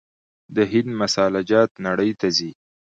د هند مساله جات نړۍ ته ځي.